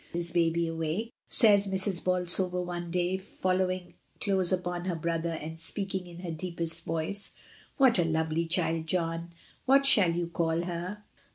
"Is Baby awake?" says Mrs. Bolsover one day, following close upon her brother and speaking in her deepest voice, "what a lovely child, John. What shall you call her?"